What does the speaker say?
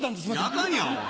あかんやんおい。